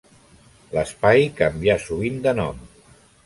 L'espai canvià sovint de nom.